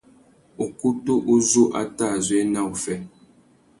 Ukutu uzu a tà zu ena uffê.